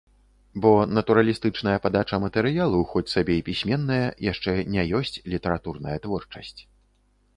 Бо натуралістычная падача матэрыялу, хоць сабе і пісьменная, яшчэ не ёсць літаратурная творчасць.